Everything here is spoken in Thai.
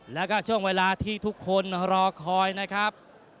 แล้วก็ช่วงเวลาที่ทุกคนรอคอยนะครับ